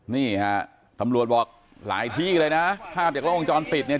นี่ค่ะตำรวจบอกหลายที่เลยนะถ้าเก็บโรงพยาบาลปิดเนี่ย